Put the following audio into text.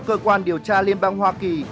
cơ quan điều tra liên bang hoa kỳ